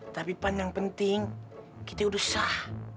tapi pan yang penting kita udah sah